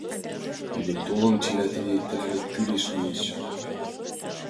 Илен-толын, чыла тиде тыланет кӱлеш лиеш».